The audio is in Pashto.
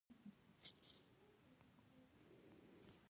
باران په افغانستان کې له اعتقاداتو سره تړاو لري.